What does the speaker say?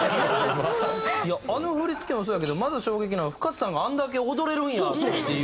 あの振付もそうやけどまず衝撃なのはＦｕｋａｓｅさんがあれだけ踊れるんやっていう。